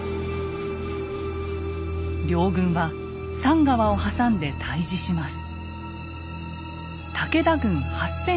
両軍は産川を挟んで対峙します。